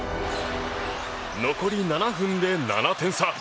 残り７分で７点差。